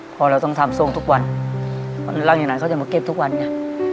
พอเราต้องทำทรงทุกวันหลังจากนั้นเขาจะมาเก็บทุกวันไง